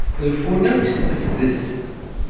Reffun akk s tefses.